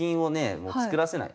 もう作らせない。